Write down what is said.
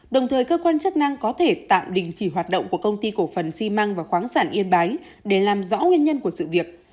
đồng thời cơ quan chức năng có thể tạm đình chỉ hoạt động của công ty cổ phần xi măng và khoáng sản yên bái để làm rõ nguyên nhân của sự việc